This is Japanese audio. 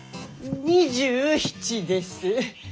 ２７です。